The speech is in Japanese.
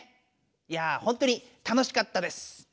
いやほんとに楽しかったです。